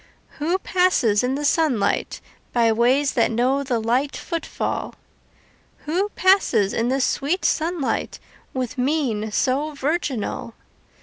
Who passes in the sunlight By ways that know the light footfall? Who passes in the sweet sunlight With mien so virginal?